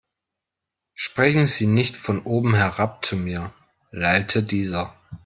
Sprechen Sie nicht von oben herab zu mir, lallte dieser.